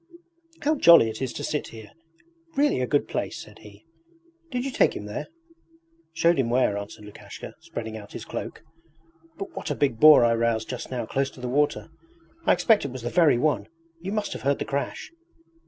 'How jolly it is to sit here! It's really a good place,' said he. 'Did you take him there?' 'Showed him where,' answered Lukashka, spreading out his cloak. 'But what a big boar I roused just now close to the water! I expect it was the very one! You must have heard the crash?'